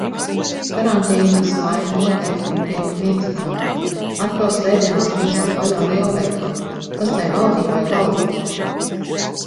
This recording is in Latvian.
Karantīnas laika noteikumi tiek mīkstināti. Atkal svētdienās būšot vaļā lielveikali. Kas tai valdībai galvā?